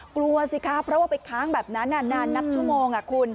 กลัวสิครับเพราะว่าไปค้างแบบนั้นนานนับชั่วโมงคุณ